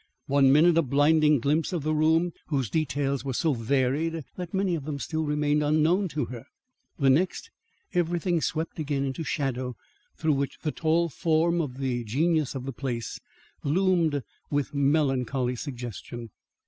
One minute a blinding glimpse of the room whose details were so varied that many of them still remained unknown to her, the next, everything swept again into shadow through which the tall form of the genius of the place loomed with melancholy suggestion!